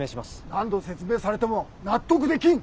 何度説明されても納得できん！